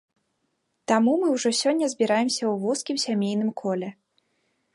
Таму мы ўжо сёння збіраемся ў вузкім сямейным коле.